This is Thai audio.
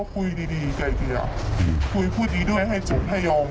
คุยพูดดีด้วยให้จบอย่ายอม